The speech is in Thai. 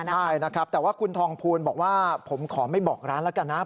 ใช่นะครับแต่ว่าคุณทองภูลบอกว่าผมขอไม่บอกร้านแล้วกันนะ